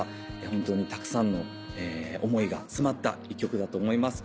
本当にたくさんの思いが詰まった一曲だと思います。